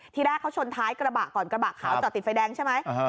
ทีแรกเขาชนท้ายกระบะก่อนกระบะขาวจอดติดไฟแดงใช่ไหม